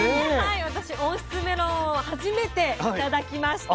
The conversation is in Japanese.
私温室メロンを初めて頂きました。